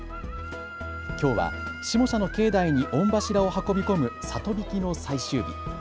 きょうは下社の境内に御柱を運び込む里曳きの最終日。